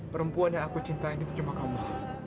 perempuan yang aku cintai itu cuma kamu